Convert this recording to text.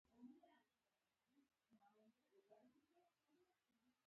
آیا دا سیمه ډیره ګرمه او وچه نه ده؟